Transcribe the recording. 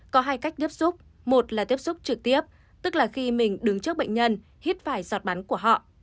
có hai cách tiếp xúc một là tiếp xúc trực tiếp tức là khi mình đứng trước bệnh nhân hít phải giọt bắn của họ